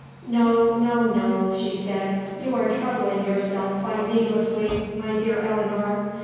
"No, no, no," she said, "you are troubling yourself quite needlessly, my dear Eleanor.